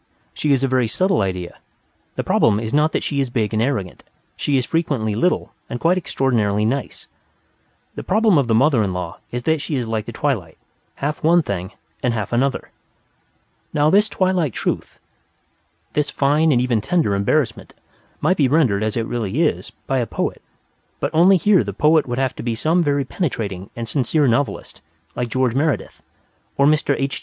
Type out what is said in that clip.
She is a very subtle idea. The problem is not that she is big and arrogant; she is frequently little and quite extraordinarily nice. The problem of the mother in law is that she is like the twilight: half one thing and half another. Now, this twilight truth, this fine and even tender embarrassment, might be rendered, as it really is, by a poet, only here the poet would have to be some very penetrating and sincere novelist, like George Meredith, or Mr. H.